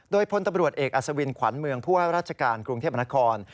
โดยพลตำรวจเอกอัศวินขวัญเมืองผู้ว่าราชการกรุงเทพมนคร